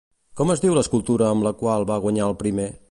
Com es diu l'escultura amb la qual va guanyar el primer?